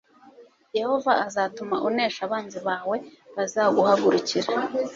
yehova azatuma unesha abanzi bawe bazaguhagurukira